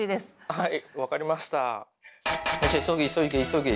はい。